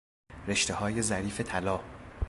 رشتههای ظریف طلا